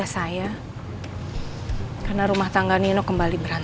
apa mama sarah takut soal anting itu kebongkar